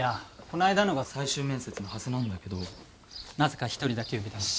この間のが最終面接のはずなんだけどなぜか１人だけ呼び出し。